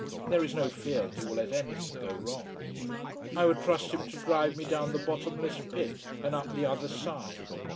There is no fear that he will let anything go wrong. I would trust him to drive me down the bottomless pit and up the other side.